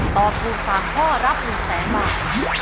ตอบถูก๓ข้อรับ๑แสนบาท